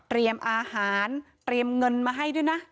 อาหารเตรียมเงินมาให้ด้วยนะ